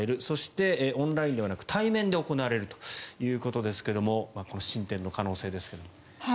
そして、オンラインではなく対面で行われるということですがこの進展の可能性ですけども。